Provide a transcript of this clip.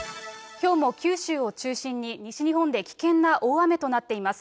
きょうも九州を中心に、西日本で危険な大雨となっています。